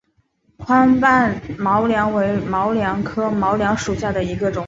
宽瓣毛茛为毛茛科毛茛属下的一个种。